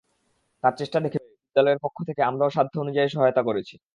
তার চেষ্টা দেখে বিদ্যালয়ের পক্ষ থেকে আমরাও সাধ্য অনুযায়ী সহায়তা করেছি।